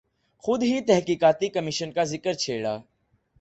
خود ہی تحقیقاتی کمیشن کا ذکر چھیڑا۔